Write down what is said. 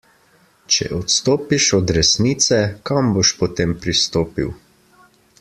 Če odstopiš od resnice, kam boš potem pristopil.